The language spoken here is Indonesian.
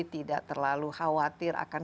tidak terlalu khawatir akan